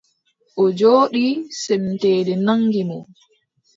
O jooɗi, semteende naŋgi mo.